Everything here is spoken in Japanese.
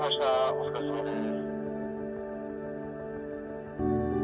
お疲れさまです。